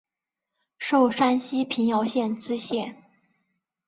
授山西平遥县知县。